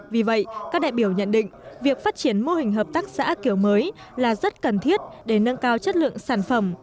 vì vậy các đại biểu nhận định việc phát triển mô hình hợp tác xã kiểu mới là rất cần thiết để nâng cao chất lượng sản phẩm